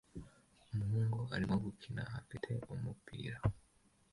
Umuhungu arimo gukina afite umupira